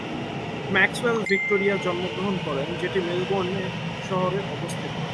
Maxwell Victoria জন্মগ্রহণ করেন; যেটি মেলবোর্নে শহরে অবস্থিত।